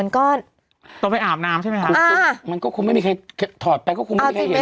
ก็ต้องไปอาบน้ำใช่ไหมคะมันก็คงไม่มีใครถอดไปก็คงไม่มีใครเห็น